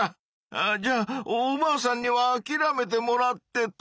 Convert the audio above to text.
あじゃあおばあさんにはあきらめてもらってと。